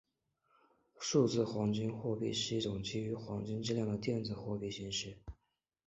数字黄金货币是一种基于黄金质量的电子货币形式。